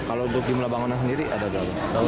kalau untuk jumlah bangunan sendiri ada berapa